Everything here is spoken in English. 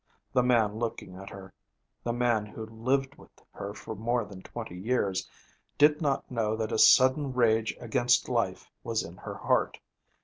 The man looking at her, the man who had lived with her for more than twenty years, did not know that a sudden rage against life was in her heart.